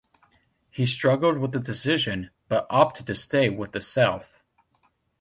He struggled with the decision, but opted to stay with the South.